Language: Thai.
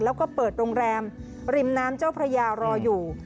แล้วก็เปิดโรงแรมริมน้ำเจ้าพระยารออยู่